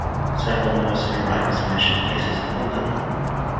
Several nursery rhymes mention places in London.